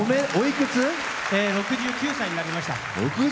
６９歳になりました。